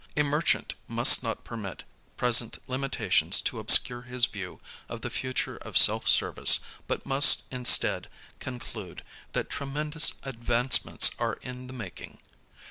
A merchant must not permit present limitations to obscure his view of the future of self service but must instead conclude that tremendous advancements are in the making.